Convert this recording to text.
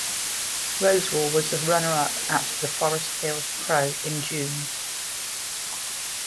Rosewall was the runner-up at the Forest Hills Pro in June.